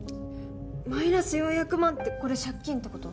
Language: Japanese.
マイナス４００万ってこれ借金って事？